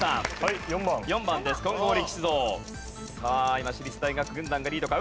今私立大学軍団がリードか？